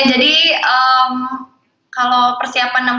iya jadi kalau persiapan enam puluh dancer